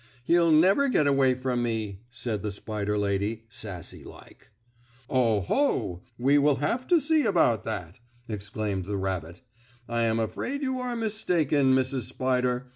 "He'll never get away from me," said the spider lady, sassy like. "Oh, ho! We will have to see about that!" exclaimed the rabbit. "I am afraid you are mistaken, Mrs. Spider.